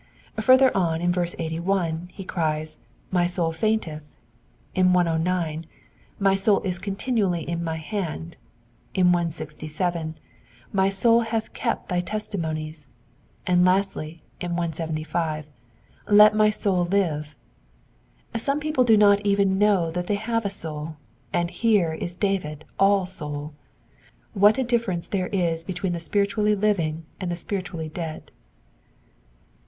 Farther on, in verse 81, he cries, '*My soul fainteth ;" in 109, '* My soul /is continually in my hand;" in 167, My soul hath kept thy testimonies ;" and lastly, in 175, Let my soul live." Some people do not even know that they have a soul, and here is David all soul. What a differ ence there is between the spiritually living and the spiritually dead.